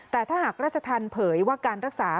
แต่ถ้าหากราชธรรมเผยว่าการรักษา